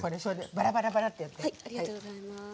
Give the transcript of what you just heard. バラバラバラってやって。